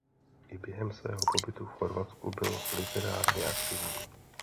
I během svého pobytu v Chorvatsku byl literárně aktivní.